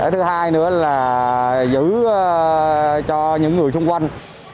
thứ hai nữa là giữ cho những người xung quanh